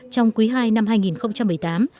trong quý ii năm hai nghìn một mươi tám